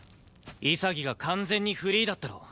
潔が完全にフリーだったろ！